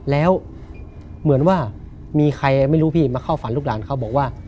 แล้วเหมือนว่ามีใครไม่รู้พี่มาเข้าฝันลูกหลานเขาบอกว่า